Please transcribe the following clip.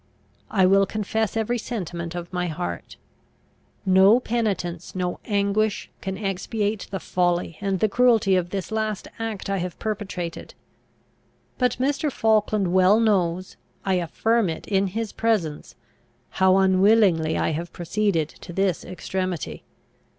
I will confess every sentiment of my heart. "No penitence, no anguish, can expiate the folly and the cruelty of this last act I have perpetrated. But Mr. Falkland well knows I affirm it in his presence how unwillingly I have proceeded to this extremity.